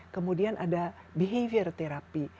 kemudian ada behavior therapy